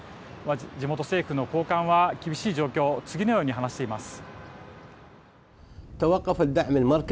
地元政府の高官は、厳しい現状を次のように話しています。